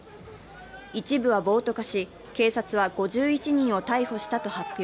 一部は暴徒化し、警察は５１人を逮捕したと発表。